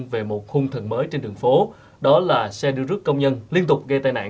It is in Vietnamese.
về một khung thần mới trên đường phố đó là xe đưa rước công nhân liên tục gây tai nạn